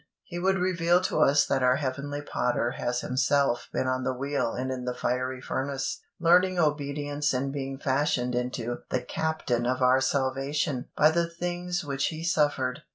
He would reveal to us that our Heavenly Potter has Himself been on the wheel and in the fiery furnace, learning obedience and being fashioned into "the Captain of our salvation" by the things which He suffered.